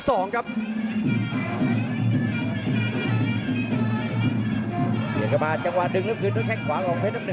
ต้องบอกว่าคมแล้วก็ยังไม่สามารถที่จะเปิดแผลแตกได้